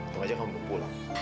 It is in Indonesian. tunggu aja kamu pulang